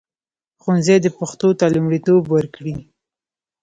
ښوونځي دې پښتو ته لومړیتوب ورکړي.